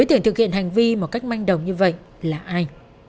đối tượng thực hiện hành vi một cách manh đồng như vậy là ai